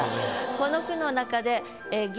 この句の中で。